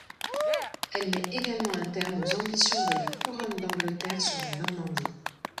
Elle met également un terme aux ambitions de la couronne d'Angleterre sur la Normandie.